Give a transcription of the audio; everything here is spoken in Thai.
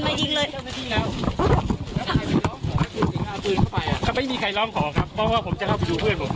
ก็ไม่มีใครร้องขอเพราะว่าจะเคลื่อนผมด้วย